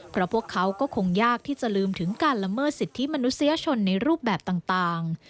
เพราะพวกเขาก็คงยากที่จะลืมถึงการละเมิดสิทธิมนุษยชนในรูปแบบต่าง